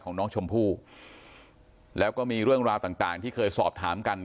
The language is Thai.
ของน้องชมพู่แล้วก็มีเรื่องราวต่างต่างที่เคยสอบถามกัน